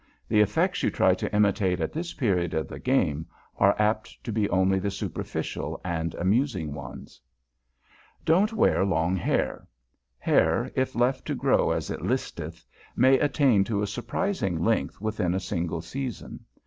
The effects you try to imitate at this period of the game are apt to be only the superficial and amusing ones. [Sidenote: A SHORT WORD ABOUT LONG HAIR] Don't wear long hair. Hair, if left to grow as it listeth, may attain to a surprising length within a single season.